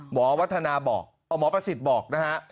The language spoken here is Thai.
วัฒนาบอกหมอประสิทธิ์บอกนะฮะ